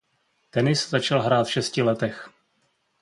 Tenis začal hrát v šesti letech.